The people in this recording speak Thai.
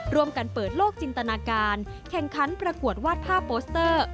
ร่วมกันเปิดโลกจินตนาการแข่งขันประกวดวาดภาพโปสเตอร์